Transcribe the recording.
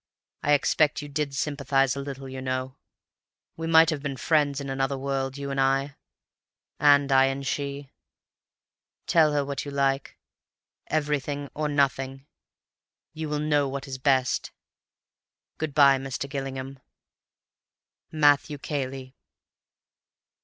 I expect you did sympathize a little, you know. We might have been friends in another world—you and I, and I and she. Tell her what you like. Everything or nothing. You will know what is best. Good bye, Mr. Gillingham. "MATTHEW CAYLEY.